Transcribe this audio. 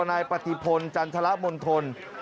นายปฏิพลจันทระมณ์ทนนี่